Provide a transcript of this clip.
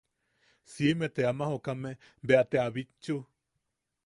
Siʼime te ama jokame bea te a bitchu.